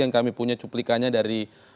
yang kami punya cuplikannya dari